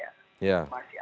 yang di luar empat partai itu